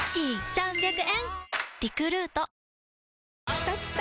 きたきた！